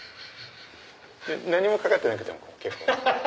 何も掛かってなくても結構。